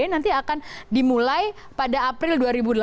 nanti akan dimulai pada april dua ribu delapan belas